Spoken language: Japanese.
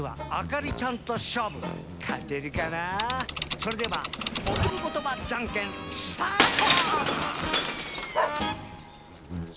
それではお国ことばじゃんけんスタート！